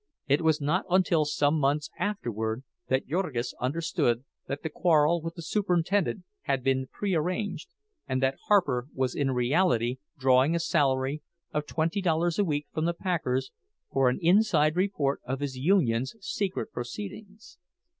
It was not until some months afterward that Jurgis understood that the quarrel with the superintendent had been prearranged, and that Harper was in reality drawing a salary of twenty dollars a week from the packers for an inside report of his union's secret proceedings.